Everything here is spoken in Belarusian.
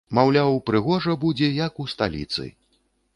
Маўляў, прыгожа будзе, як у сталіцы.